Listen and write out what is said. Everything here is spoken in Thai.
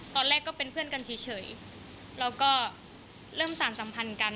ตอนแรกก็เป็นเพื่อนกันเฉยแล้วก็เริ่มสารสัมพันธ์กัน